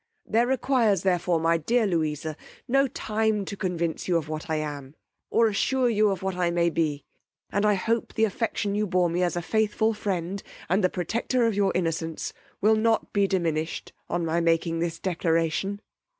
There requires, therefore, my dear Louisa, no time to convince you of what I am, or assure you of what I may be; and I hope the affection you bore me, as a faithful friend, and the protector of your innocence, will not be diminished on my making this declaration.